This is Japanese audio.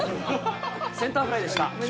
センターフライでした。